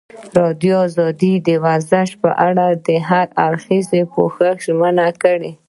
ازادي راډیو د ورزش په اړه د هر اړخیز پوښښ ژمنه کړې.